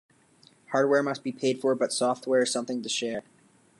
Hardware must be paid for, but software is something to share.